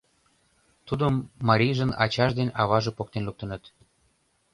Тудым марийжын ачаж ден аваже поктен луктыныт.